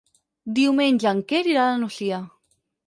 Diumenge en Quer irà a la Nucia.